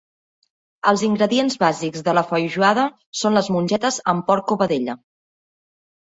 Els ingredients bàsics de la "feijoada" són les mongetes amb porc o vedella.